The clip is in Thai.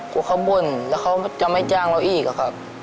กลัวเขาบ่นแล้วเขาจะไม่จ้างเราอีกอะครับ